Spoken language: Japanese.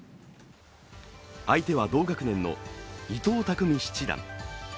相手は同学年の伊藤匠七段。